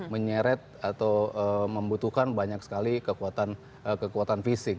menyeret atau membutuhkan banyak sekali kekuatan fisik